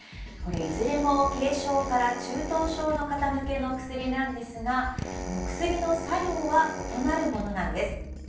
いずれも軽症から中等症の方向けの薬なんですが薬の作用は異なるものなんです。